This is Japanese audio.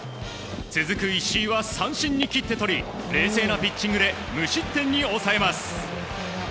続く石井は三振に切ってとり冷静なピッチングで無失点に抑えます。